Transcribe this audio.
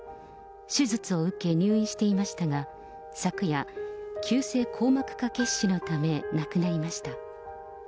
手術を受け、入院していましたが、昨夜、急性硬膜下血腫のため、亡くなりました。